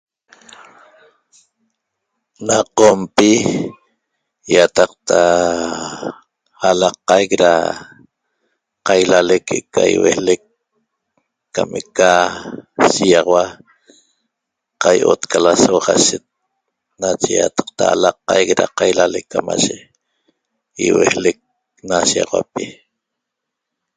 Na qompi ýataqta alaqaic da qailalec que'eca iuejlec cam eca shíýaxaua qai'ot ca lasouaxashet nache ýataqta alaqaic da qailalec camaye iulejlec na shiýaxauapi